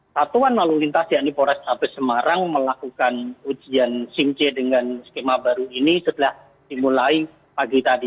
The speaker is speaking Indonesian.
satuan lalu lintas yani polrestabes semarang melakukan ujian simc dengan skema baru ini setelah dimulai pagi tadi